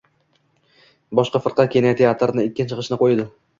Botir firqa kinoteatrni... ikkinchi g‘ishtini qo‘ydi!